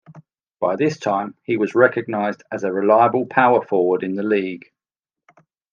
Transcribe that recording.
By this time, he was recognized as a reliable power forward in the league.